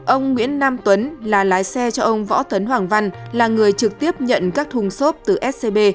ông nguyễn nam tuấn là lái xe cho ông võ tấn hoàng văn là người trực tiếp nhận các thùng xốp từ scb